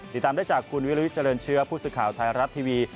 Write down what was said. ติดตามได้จากคุณวิญญาณวิทยาลัยเชื้อผู้ศึกข่าวไทยรับทีวี